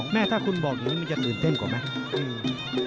แม่ถ้าคุณบอกอย่างนี้มันจะตื่นเต้นกว่าไหม